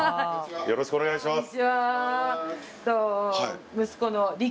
よろしくお願いします。